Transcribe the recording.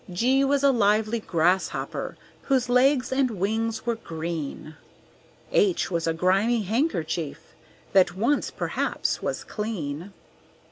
G was a lively Grasshopper, whose legs and wings were green; H was a grimy Handkerchief that once perhaps was clean.